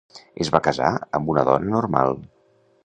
Es va casar amb una dona normal.